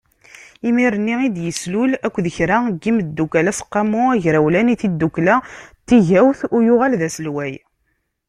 Imir-nni i d-yeslul-d akked kra n yimeddukkal aseqqamu agrawlan i tiddukla n tigawt u yuɣal d aselway.